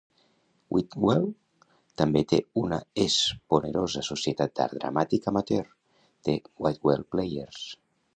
Whitwell també té una esponerosa societat d'art dramàtic amateur: The Whitwell Players.